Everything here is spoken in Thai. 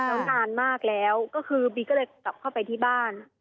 แล้วนานมากแล้วก็คือบีก็เลยกลับเข้าไปที่บ้าน